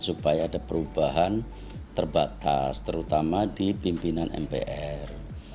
supaya ada perubahan terbatas terutama di pimpinan mpr